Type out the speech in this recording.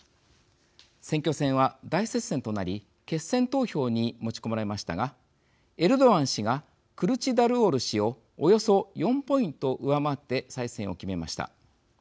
選挙戦は大接戦となり決選投票に持ち込まれましたがエルドアン氏がクルチダルオール氏をおよそ４ポイント上回って再選を決めました。